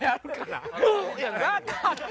分かった！